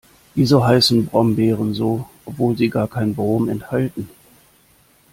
Wieso heißen Brombeeren so, obwohl sie gar kein Brom enthalten?